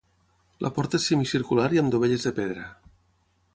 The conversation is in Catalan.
La porta és semicircular i amb dovelles de pedra.